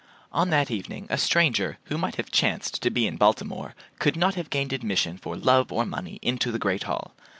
On that evening a stranger who might have chanced to be in Baltimore could not have gained admission for love or money into the great hall.